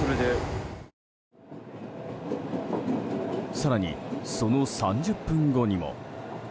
更にその３０分後にも。